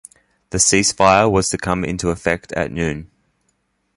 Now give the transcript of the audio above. The cease-fire was to come into effect at noon.